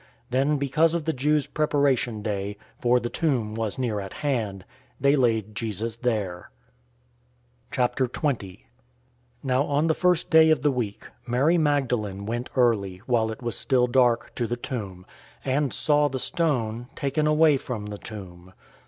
019:042 Then because of the Jews' Preparation Day (for the tomb was near at hand) they laid Jesus there. 020:001 Now on the first day of the week, Mary Magdalene went early, while it was still dark, to the tomb, and saw the stone taken away from the tomb.